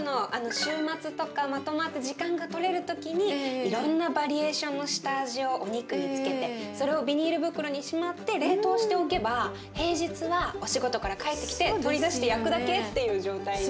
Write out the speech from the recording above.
週末とかまとまった時間が取れる時にいろんなバリエーションの下味をお肉に付けてそれをビニール袋にしまって冷凍しておけば平日はお仕事から帰ってきて取り出して焼くだけっていう状態に。